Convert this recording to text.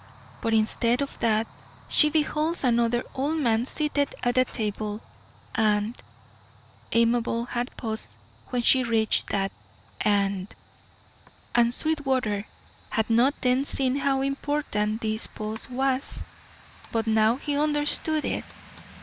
But instead of that she beholds another old man seated at a table and Amabel had paused when she reached that AND and Sweetwater had not then seen how important this pause was, but now he understood it.